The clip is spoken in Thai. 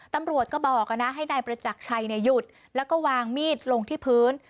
ตำรวจก็บอกนะให้นายประจักรชัยหยุดแล้วก็วางมีดลงที่พื้น